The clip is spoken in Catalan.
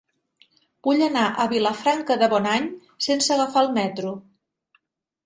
Vull anar a Vilafranca de Bonany sense agafar el metro.